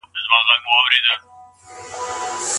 په واده کي د پسه حلالول مستحب عمل دی؟